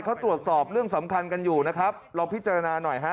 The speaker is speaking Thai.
เขาตรวจสอบเรื่องสำคัญกันอยู่นะครับลองพิจารณาหน่อยฮะ